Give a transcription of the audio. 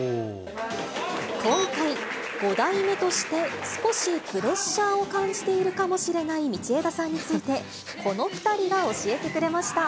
今回、５代目として少しプレッシャーを感じているかもしれない道枝さんについて、この２人が教えてくれました。